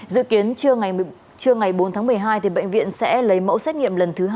dự kiến trưa ngày bốn tháng một mươi hai bệnh viện sẽ lấy mẫu xét nghiệm lần thứ hai